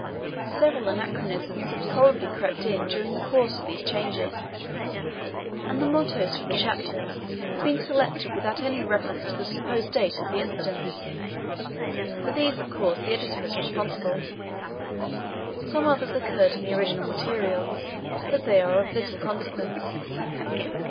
Several anachronisms have probably crept in during the course of these changes; and the mottoes for the Chapters have been selected without any reference to the supposed date of the incidents. For these, of course, the Editor is responsible. Some others occurred in the original materials, but they are of little consequence.